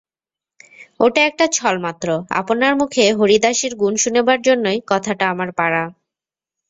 ওটা একটা ছলমাত্র— আপনার মুখে হরিদাসীর গুণ শুনিবার জন্যই কথাটা আমার পাড়া।